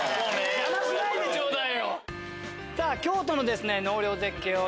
邪魔しないでちょうだいよ。